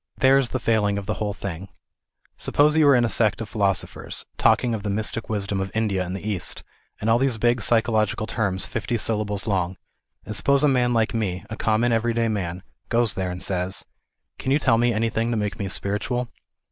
There is the failing of the whole thing. Suppose you are in a sect of philosophers, talking of the mystic wisdom of India and the East, and all these big psychological terms fifty sylla bles long, and suppose a man like me, a common every day man, goes there and says " Can you tell me any thing to make me spiritual